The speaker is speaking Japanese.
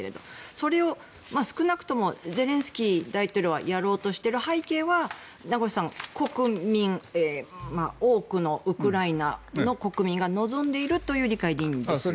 それを少なくともゼレンスキー大統領はやろうとしている背景は名越さん、国民多くのウクライナの国民が望んでいるという理解でいいんですかね。